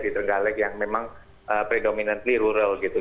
di terenggalek yang memang predominantly rural gitu